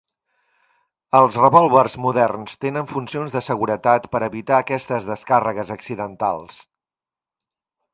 Els revòlvers moderns tenen funcions de seguretat per evitar aquestes descàrregues accidentals.